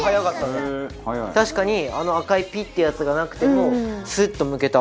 確かに赤いピッてやつがなくてもスッとむけた。